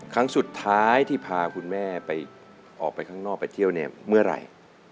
ครั้งสุดท้ายที่พาคุณแม่ไปออกไปข้างนอกไปเที่ยวเนี่ยเมื่อไหร่